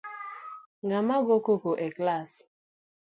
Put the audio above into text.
Ng’ama go koko e klass